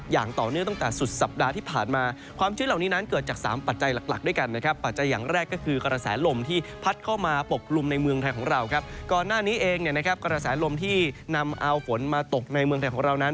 หน้านี้เองกระแสลมที่นำอาวฝนมาตกในเมืองไทยของเรานั้น